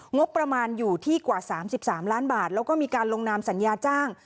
งบประมาณอยู่ที่กว่า๓๓ล้านบาทแล้วก็มีการลงนามสัญญาจ้าง